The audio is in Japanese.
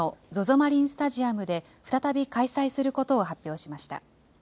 マリンスタジアムで再び開催することを発表しました。